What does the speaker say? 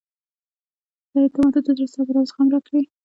خدایه ته ماته د زړه صبر او زغم راکړي